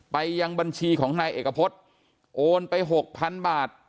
ไปยังบัญชีของนายเอกพฤษโอนไปหกพันบาท